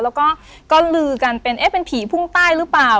แล้วก็ลือกันเป็นเอ๊ะเป็นผีพุ่งใต้หรือเปล่า